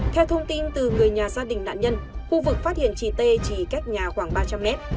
theo thông tin từ người nhà gia đình nạn nhân khu vực phát hiện chị t chỉ cách nhà khoảng ba trăm linh mét